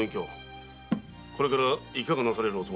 これからいかがなされるおつもりで？